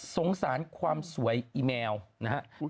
สงสารความสวยอีแมวนะครับ